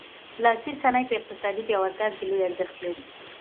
لاسي صنایع په اقتصادي پیاوړتیا کې لوی ارزښت لري.